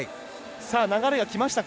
流れがきましたか？